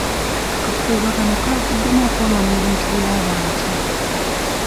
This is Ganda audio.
Akakuubagano kavuddemu okwonoona ebintu by'abantu.